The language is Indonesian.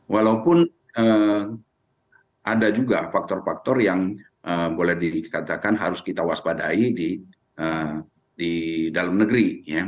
walaupun ada juga faktor faktor yang boleh dikatakan harus kita waspadai di dalam negeri